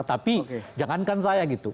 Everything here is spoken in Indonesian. tapi jangankan saya